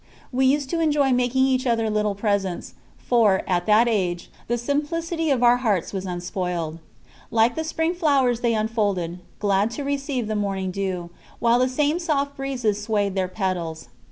We used to enjoy making each other little presents, for, at that age, the simplicity of our hearts was unspoiled. Like the spring flowers they unfolded, glad to receive the morning dew, while the same soft breezes swayed their petals.